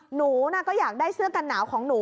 หนูก็อยากได้เสื้อกันหนาวของหนู